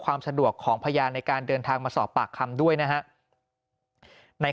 ความสะดวกของพยานในการเดินทางมาสอบปากคำด้วยนะฮะใน